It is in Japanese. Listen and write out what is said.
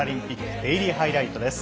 デイリーハイライトです。